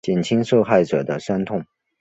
减轻受害者的伤痛